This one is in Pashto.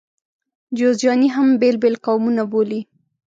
جوزجاني هم بېل بېل قومونه بولي.